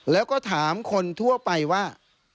แล้วก็ถามคนทั่วไปว่า